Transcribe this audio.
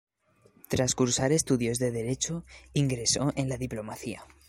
Tras cursar estudios de Derecho, ingresó en la diplomacia.